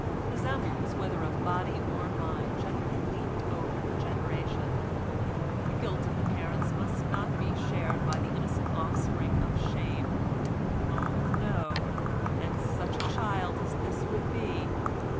Resemblance, whether of body or mind, generally leaped over a generation. The guilt of the parents must not be shared by the innocent offspring of shame—oh! no—and such a child as this would be